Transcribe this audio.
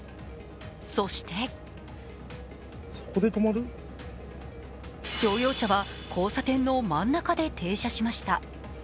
そして乗用車は交差点の真ん中で停車しました。